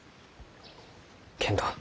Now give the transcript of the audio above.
けんど。